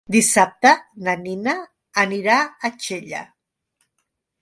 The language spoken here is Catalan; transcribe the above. Dissabte na Nina anirà a Xella.